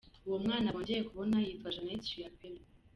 Uwo mwana bongeye kubona yitwa Jeannette Chiapello.